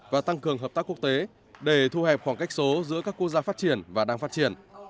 và tăng cường hợp tác quốc tế để thu hẹp khoảng cách số giữa các quốc gia phát triển và đang phát triển